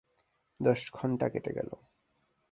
দশ ঘণ্টা কেটে গেল।